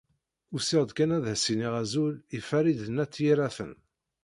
Usiɣ-d kan ad as-iniɣ azul i Farid n At Yiraten.